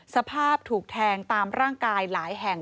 สภาพถูกแทงตามร่างกายหลายแห่ง